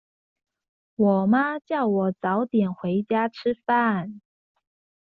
我媽叫我早點回家吃飯